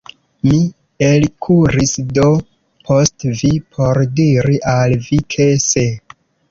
Mi elkuris do post vi, por diri al vi, ke se.